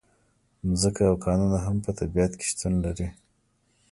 ځمکه او کانونه هم په طبیعت کې شتون لري.